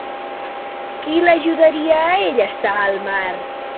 Qui l'ajudaria a ell a estar al mar?